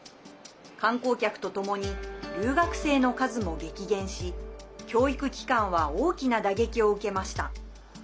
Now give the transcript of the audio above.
観光客とともに留学生の数も激減し教育機関は大きな打撃を受けました。